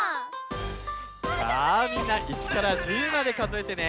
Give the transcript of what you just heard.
さあみんな１から１０までかぞえてね！